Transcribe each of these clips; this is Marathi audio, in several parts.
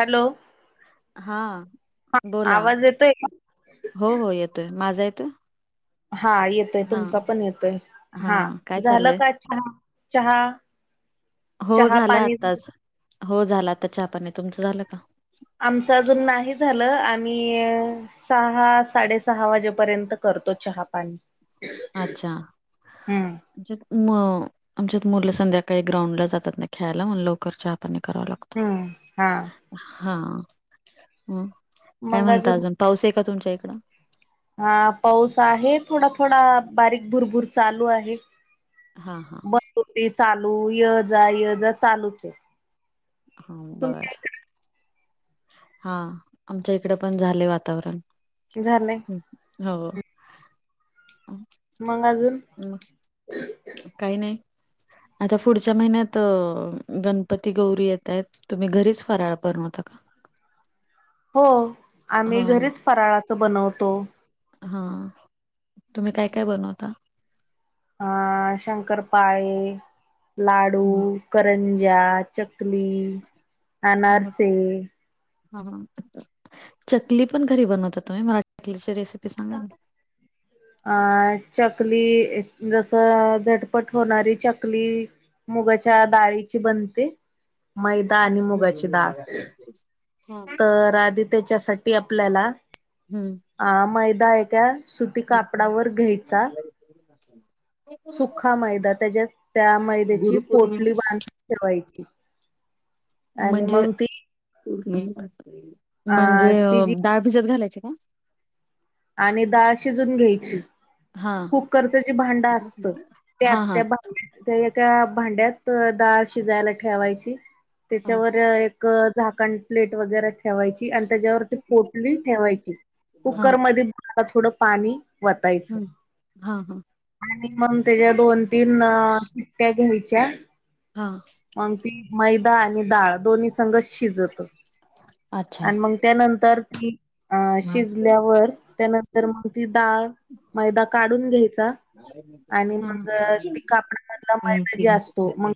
हॅलो. हा हा बोला आवाज येतोय का? हो हो येतोय, माझा येतोय? हा येतोय हा तुमचा पण येतय हा काय झालं चाललंय का? चहा चहा हो चहा झालं पाणी आताच हो झाला आता चापाने तुमचं झालं का? आमचं अजून नाही झालं आम्ही सहा साडेस.. सहा वाजेपर्यंत करतो चहा पाणी. अच्छा हम्म म्हण आमच्यात मुलं संध्याकाळी ग्राउंड ला जात ना खेळायला म्हणून लवकर चहापानी करावा लागत. हम्म हा हा हम्म काय म्हणता अजून पाऊस आहे का तुमच्या इकडं? हा पाऊस आहे थोडा थोडा बारीक भुरभूर आहे. हा हा बस हो चालू य जा य जा चालूच आहे. हा बरं. तुमच्या हा आम्हच्या इकडे पण झाले वातावरण. झालंय हो मग अजून काही नाही. आता पुढच्या महिन्यात गणपती गौरी येत आहेत. तुम्ही घरीच फराळ बनवता का? हो आम्ही हां, घरीच फराळाचं बनवतो. हां तुम्ही काय काय बनवता? अ शंकरपाळे, लाडू हं, करंज्या, चकली, अनारसे ह, ह.. चकली पण घरी बनवता तुम्हीं? मला चकलीची रेसिपी सांगा ना. अ चकली जसं झटपट होणारी, चकली. मुगाच्या डाळीची बनते, मैदा आणि मुगाची डाळ. हा तर आधी त्याच्यासाठी आपल्याला हूं.. हा मैदा एका सुती कापडावर घ्यायचा. [inaudible] सुखा मैदा त्याच्यात त्या मैद्याची पोटली बांधून ठेवायची. आणि म्हणजे, मग ती अ म्हणजे ति जी डाळ भिजत घालायची का? आणि डाळ शिजून घ्यायची. हां, कुकरचं जे भांडं असतं त्यात हां, हां. त्या भांड्यात त्या एका भांड्यात डाळ शिजायला ठेवायची, हां. त्याच्यावर क झाकण प्लेट वगैर ठेवायची आणि त्याच्यावरती पोटली ठेवायची, कुकर हां, मध्ये तळाला थोडं पाणी वतायचं. हा, हा. आणि मग त्याच्या दोन- तीन शिट्ट्या घ्यायच्या. हा. मंग ती मैदा आणि डाळ दोन्ही संघस शिजंत अच्छा. आणि मंग त्यानंतर ती अं शिजल्यावर, त्यानंतर मग डाळ मैदा काढून घ्यायचा, आणि हां, मंग ती हां, कापडमधला मैदा जे असतो, मग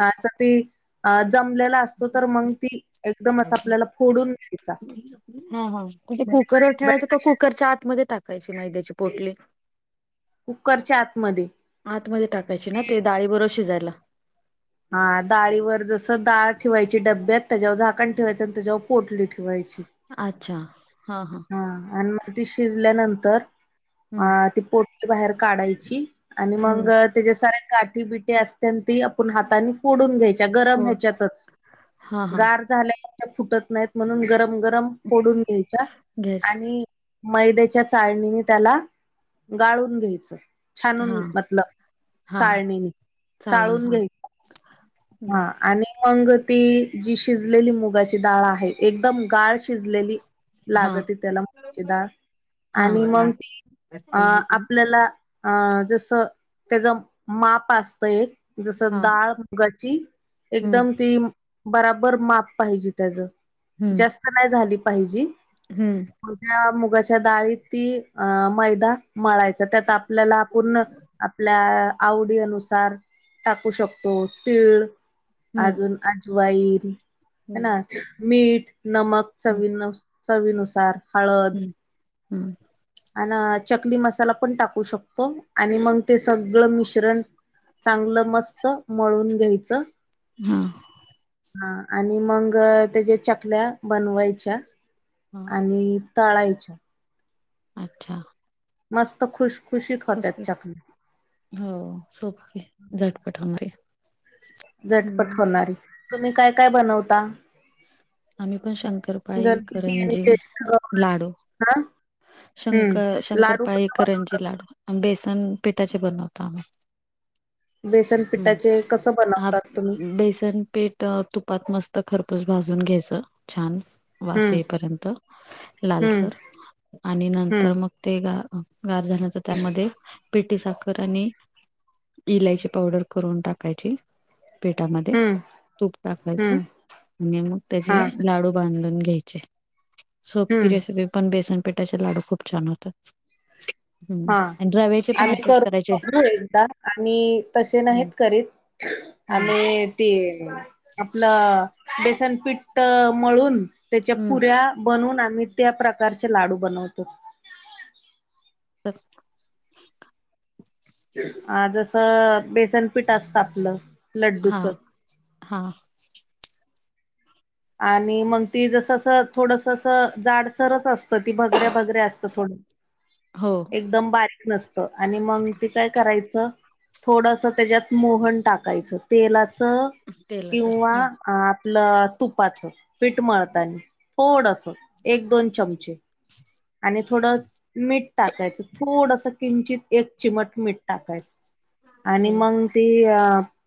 असं ती अ जमलेला असतो तर, मग ती एकदम असा आपल्याला फोडून घ्यायचा. हा, हा. ते कुकरवर ठेवायचं का? कुकरच्या आतमध्ये टाकायची मैद्याची पोटली.? कुकरच्या आतमध्ये. आतमध्ये टाकायची ना, ते डाळीबरोबर शिजायला. हा डाळीवर, जसं डाळ ठेवायची डब्यात, त्याच्यावर झाकण ठेवायचं आणि त्याच्यावर पोटली ठेवायची. अच्छा. हा, हा.. हा आणि मंग ती शिजल्यानंतर अ हं ती पोटली बाहेर काढायची आणि मंग हं तेजा साऱ्या गाठी -बिटी असत्यानं ती आपण हातानी फोडून घ्याय च्या गरम फोड ह्याच्यातच हां हां गार झाल्या की, त्या फुटत नाहीत म्हणून गरम -गरम फोडून घ्यायच्या घ्यायच्या आणि मैद्याच्या चाळणीने त्याला गाळून घ्यायचं. छानून हां म्हटलं हां चाळणीने चाळून घ्याय हं हा आणि मंग ती जी शिजलेली मुगाची डाळ आहे, एकदम गाळ शिजलेली हां लागती त्याला मुगाची डाळ हां आणि हां मंग ती अ आपल्याला अ जसं त्याच माप असतं एक तर हं डाळ मुगाची हं एकदम ती बराबर माप पाहिजे त्यांचं हं जास्त नाही झाली पाहिजी. हं... मग त्या मुगाच्या डाळीत ती अ मैदा मळायचं त्यात आपल्याला पूर्ण आपल्या आवडी अनुसार टाकू शकतो. तीळ हं अजून अजवाईन हाय हं ना? मीठ नमक चवी चवीनुसार. हम्म. हम्. आन चकली मसाला पण टाकू शकतो. आणि मंग ते सगळं मिश्रण- चांगलं मस्त मळून घ्यायचं. हां. हा. आणि मंग त्याच्या चकल्या बनवायच्या. हां आणि तळायच्या. अच्छा. मस्त खुशखुशीत होत्यात खुसखुशीत चकल्या. हो. सोपेय झटपट होणारी. झटपट हं होणारी. तुम्ही काय काय बनवता? आम्ही पण शंकरपाळी, गणपती आणि करंजी, ते लाडू. ना हम्म शंकर शंकर लाडू कस पाळी, बनव करंजी आणि लाडू. बेसन पिठाचे बनवतो आम्ही. बेसन हम्म. पिठाचे कसं ह बनवतात तुम्ही बेसन पीठ, तुप- -पात मस्त खरपूस भाजून घ्यायचं छान. वास हम्म येईपर्यंत हम्म लालसर आणि हम्म नंतर मग- ते गार गार झाल त त्यामध्ये पिटी साखर आणि- इलायची पावडर करून टाकायची. पिठामध्ये हम्म तुप टाकायचं हम्म आणि मग हा त्याचे- लाडू बांधून घ्यायचे. सोप्पी हम्म रेसीपी- पण बेसन पिठाचे लाडू खूप छान होतात. हम. हा आन रव्या- आम्ही करून बघू एकदा. आम्ही तसे हम्म नाहीत करीत. हम्म आम्ही- ते आपलं बेसनपीठ मळून त्याच्या हम्म पुऱ्या- बनवून. आम्ही त्या प्रकारचे लाडू बनवतो. अस. आ जसं बेसन पीठ असतं आपलं. लड्डूच हां. हां. आणि मंग ते जसं असं थोडसं असं जाडसरच अस- ती भगऱ्या भगऱ्या असतं थोडं, हो एकदम बारीक नसतं. आणि मंग ते काय करायचं? थोडस त्याच्यात मोहन टाकायचं. तेलाच तेलाच किंवा हा आपलं- तुपाचं पीठ मळतानी. थोडस एक दोन चमचे. आणि थोडं मीठ टाकायचं. थोडस किंचित एक- चिमट मीठ टाकायचं. आणि हम्म मंग - ते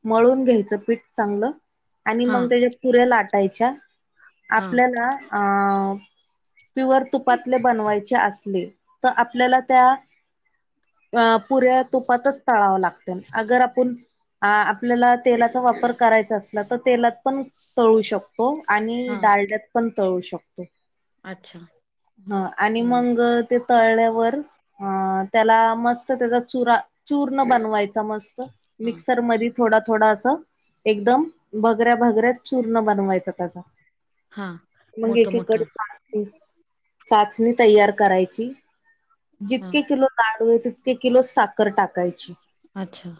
मळून घ्यायचं पीठ चांगलं. आणि हा मग त्याच्या पुऱ्या लाट- -यच्या. हा आपल्याला आं - प्युअर तुपातले बनवायचे असले तर आपल्याला त्या- अ पुऱ्या तुपातच तळाव्या लागत्याल अगर आपण- आ आपल्याला तेलाचा वापर करायचा असला तर तेलात पण तळू शकतो. -तो आणि हा डालड्यात पण तळू शकतो. अच्छा ह. आणि हम्म मंग ते- तळल्यावर, अ त्याला मस्त त्याचा चुरा चूर्ण बनवायचा मस्त. हा मिक्सर मध्ये थोडा थोडा असं, एकदम भगऱ्या भगऱ्या चूर्ण बनवायचं. त्याचा हा मग मोठं एकीकडे मोठं चाशणी तयार करायची. हा जितके किलो कारलेत, तितके किलो साखर टाकायची. अच्छा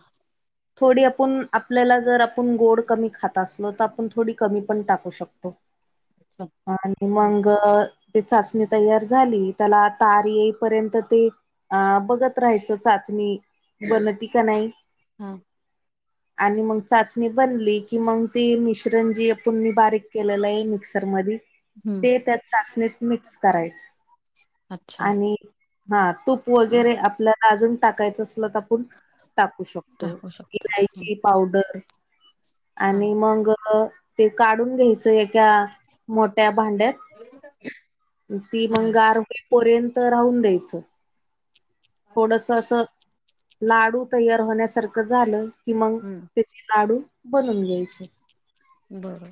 थोडी आपण, आपल्याला जर आपुण गोड कमी खात असलो, तर आपुण थोडी कमी पण टाको टाकु शकतो, अच्छा आणि हा मंग ते चाशणी तयार झाली, त्याला तार येईपर्यंत ती अ बघत राहायचं चाचणी बनती का नाही, हा आणि मग चाचणी बनली की मग ती मिश्रण जी तुम्ही बारीक केलेलंय मिक्सर मधी, हम्म ते त्यात चाचणीत मिक्स करायचं. आर आणि,, हा तूप वगैरे आपल्याला अजून टाकायचं असलं तर आपण टाकू शकतो, टाकू शकतो हा इलायची पावडर हा आणि मंग, ते काढून घ्यायचं एका मोठ्या भांड्यात, ती हा मग गार होई पर्यंत राहून द्यायचं. थोडसं असं, लाडू तयार होण्यासारखं झालं की मग हम्म ते लाडू बनवून घ्यायचे. बरोबर,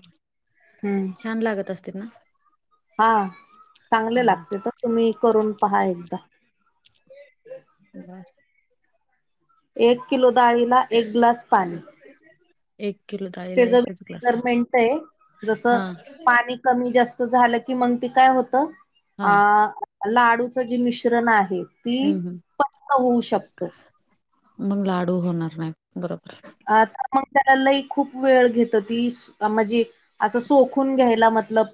हम्म छान लागत असतील ना? हा, हा चांगल लागतं तर तुम्ही करून पहा एकदा. [inaudible] एक किलो डाळीला एक ग्लास पाणी. एक किलो डाळीला त्याच एकच ग्लास पाणी, मेजरमेंट आहे जसं हा पाणी कमी जास्त झालं की मग ते काय होतं, हा अं लाडूचं जी मिश्रण आहे ते,, हम्म पातळ होऊ शकतं. मग लाडू होणार नाही बरोबर. आत, मग त्याला लई खूप वेळ घेतं ती, अ म्हजे असं सोखून घ्यायला मतलब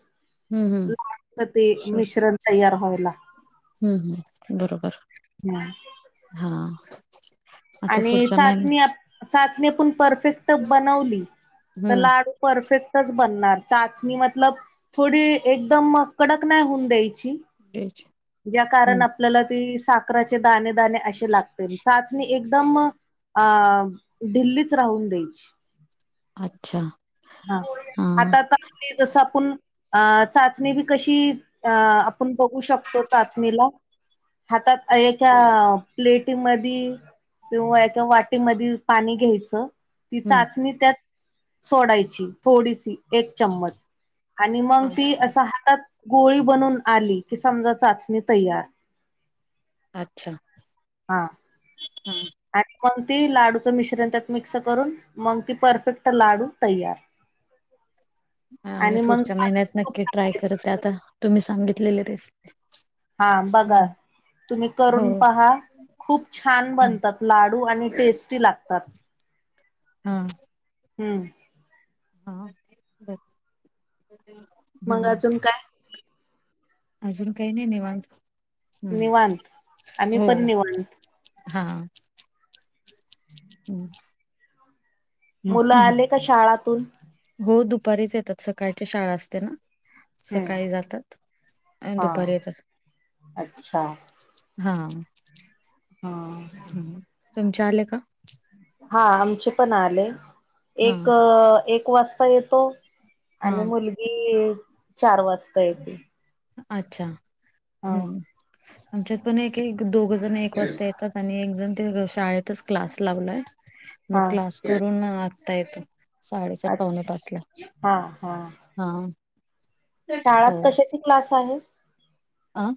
हम्म हम्म तर ते, शर मिश्रण तयार होऊ लागतं. हम्म हम्म बरोबर हा. आता आणि पुढच्या चाचणी, महिन्यात आ चाचणी आपण परफेक्ट बनवली, तर हम्म लाडू परफेक्टच बनणार, चाचणी मतलब थोडी, एकदम कडक नाही होऊन द्यायची. बच [unintelligible] ज्या कारण आपल्याला ती साखराचे दाणे दणे असे लागते, चाचणी एकदम अ, ढिल्लीच राहून द्यायची. अच्छा. हा आता, आता आपले जसं आपण अ चाचणी बी कशी, अ आपण बघू शकतो चाचणीला हातात एका प्लेटीमधी किंवा एका वाटेमधी पाणी घ्यायचं ती हम्म चाचणी त्यात सोडायची, थोडीसं एक चम्मच. आणि मग हा, ती असं हातात गोळी बनून आली, की समजा चाचणी तयार. अच्छा. हां. हा आणि मंग ती लाडूचं मिश्रण त्यात मिक्स करून, मंग ती परफेक्ट लाडू तयार. [inaudible] हा मी आणि मग पुढच्या साजूक महिन्यात तूप नक्की ट्राय टाकायचं करत आता, तुम्ही सांगितलेली रेसिपी हा बघा, हम्म. तुम्ही हो करून पहा, खूप छान हम्म. बनतात. लाडू आणि टेस्टी लागतात. हा हूं हा [unintelligible] मंग अजून काय? अजून काय नाई निवांत हम्म. निवांत, आम्ही पण हो निवांत हा [inaudible] [unintelligible] मुलं आले का? शाळातून हो. दुपारीच येतात. सकाळच्या शाळा असते ना. हम्म. सकाळी जातात. आणि हा दुपारी येतात. अच्छा हा हा हं, तुमच्या आले का? हा आमचे पण आले. एक, हा एक वाजता येतो. हा आणि मुलगी चार वाजता येते. अच्छा, हा हम्म, आमच्यात पण एक, एक दोघ जण एक वाजता येतात. आणि एक जण ते शाळेतच क्लास लावलाय. म हा करून आता येतो. साडेसात अच्छा. पावणे पाच ला हा हा हा शाळात कशाची क्लास आहे. आं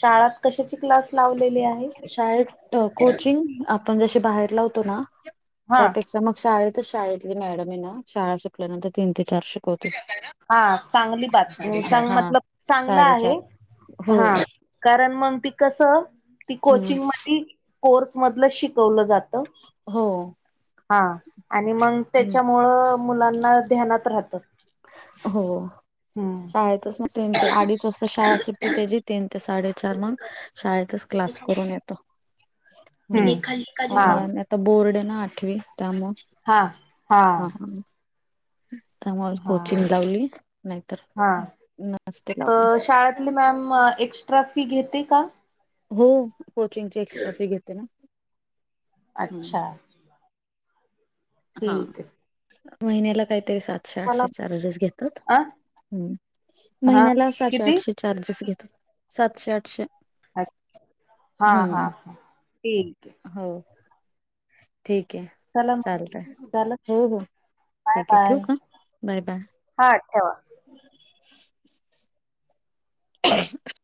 शाळात कशाची क्लास लावलेली आहे शाळेत कोचिंग, आपण जशी बाहेर लावतो ना, हा त्या पे क्षा मग शाळेतच शाळेतली मॅडम ये ना, शाळा सूटल्यानंतर तीन ते चार शिकवते. हा चांगली बात अ साडेचार. चांग हा मतलब चांगलं आहे. साडेचार हो हा कारण मंग ती कसं, ती हम्म कोचिंग मधी कोर्स मधलं शिकवलं जातं. हो. हा आणि मंग हम्म. त्याच्यामुळं मुलांना ध्यानात राहतं. हो. हम्म शाळेतच म तीन ते अडीच वाजता शाळा सुटते. त्याची तीन ते साडेे चार मंग शाळेतच क्लास करून येतो. हूं आणि मग हा आण. बोर्ड ना आठवी त्यामुळ हा हा, त्यामु हा कोचिंग हा लावली नायतर नसती लावली. आपली मॅम एक्स्ट्रा फी घेते का? हो. कोचिंगची एक्स्ट्रा फी घेते ना. म्हणून. अच्छा. हा ठीक आहे महिन्याला काहीतरी सात. चला साठशे चार्जस घेतात अ ह्म्म हा महिन्याला सातशे किती आठशे. चार्जेस घेतता सातशे आठशे. अच हा हा हम्म हा ठीक. हो ठीक आहे. चला मग चालतंय झालं हो हो बाय ठीक आहे ठेवू बाय का? Bye bye. हा ठेवा. [inaudible] [inaudible]